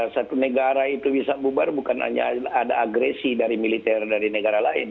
satu negara itu bisa bubar bukan hanya ada agresi dari militer dari negara lain